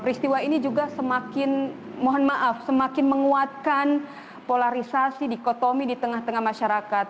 peristiwa ini juga semakin mohon maaf semakin menguatkan polarisasi dikotomi di tengah tengah masyarakat